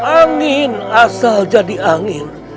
angin asal jadi angin